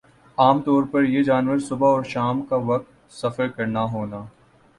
عام طور پر یِہ جانور صبح اور شام کا وقت سفر کرنا ہونا